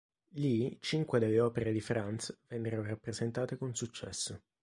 Lì, cinque delle opere di Franz vennero rappresentate con successo.